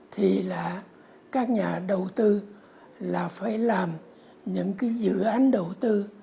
thì là các nhà đầu tư là phải làm những cái dự án đầu tư